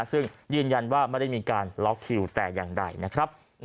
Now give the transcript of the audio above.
ซึ่งยืนยันว่าไม่ได้มีการล็อกคิวแต่อย่างใดนะครับ